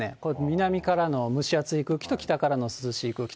南からの蒸し暑い空気と北からの涼しい空気。